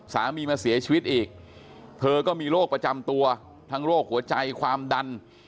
สามีมาเสียชีวิตอีกเธอก็มีโรคประจำตัวทั้งโรคหัวใจความดัน